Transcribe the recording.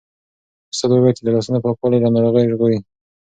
استاد وویل چې د لاسونو پاکوالی له ناروغیو ژغوري.